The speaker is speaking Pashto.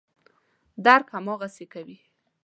درک هماغسې کوي.